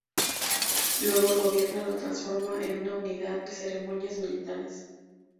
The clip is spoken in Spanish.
Luego el gobierno lo transforma en una unidad de ceremonias militares.